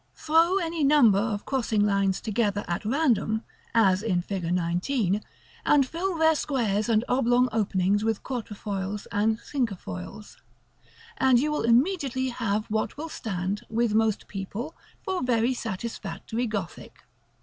Throw any number of crossing lines together at random, as in Fig. XIX., and fill their squares and oblong openings with quatrefoils and cinquefoils, and you will immediately have what will stand, with most people, for very satisfactory Gothic.